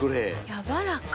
やわらか。